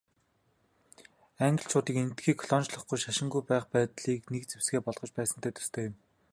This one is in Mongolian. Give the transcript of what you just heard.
Англичууд Энэтхэгийг колоничлохгүй, шашингүй байх байдлыг нэг зэвсгээ болгож байсантай төстэй юм.